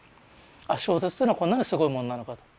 小説っていうのはこんなにすごいもんなのかと。